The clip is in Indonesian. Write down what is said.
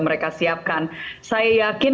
mereka siapkan saya yakin